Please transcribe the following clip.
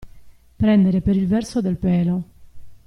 Prendere per il verso del pelo.